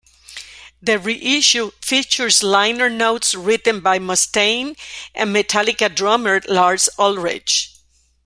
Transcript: The reissue features liner notes written by Mustaine and Metallica drummer Lars Ulrich.